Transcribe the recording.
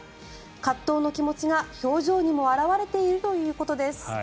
葛藤の気持ちが、表情にも表れているということです。